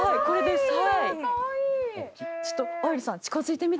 これです。